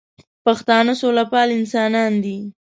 پښتانه سوله پال انسانان دي